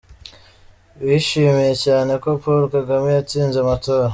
Bishimiye cyane ko Paul Kagame yatsinze amatora.